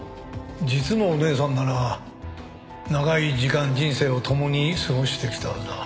実のお姉さんなら長い時間人生を共に過ごしてきたはずだ。